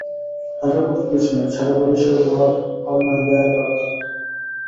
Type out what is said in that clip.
আসবাবপত্র কিছু নাই, ছেড়া বালিশের ওয়াড়, আলনায় গায়ে দেওয়ার কাঁথা।